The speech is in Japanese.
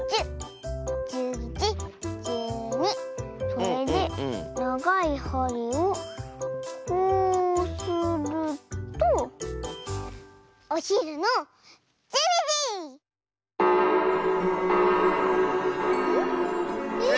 それでながいはりをこうするとおひるの１２じ！え？